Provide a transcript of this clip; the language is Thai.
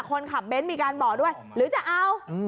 คนขับเบ้นมีการบอกด้วยหรือจะเอา